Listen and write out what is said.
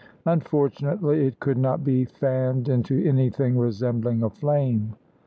Unfortunately, it could not be fanned into anything resembling a flame.